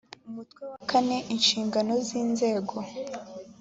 umutwe wa kane inshingano z inzego